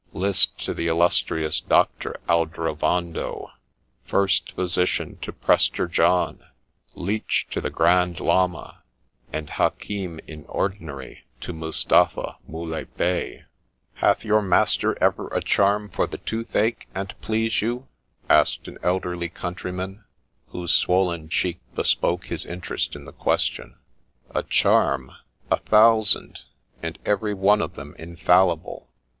List to the illustrious Doctor Aldrovando, first physician to Prester John, Leech to the Grand Llama, and Hakim in Ordinary to Mustapha Muley Bey !'' Hath your master ever a charm for the tooth ache, an't please you ?' asked an elderly countryman, whose swollen cheek bespoke his interest in the question. 'A charm! — a thousand, and every one of them infallible.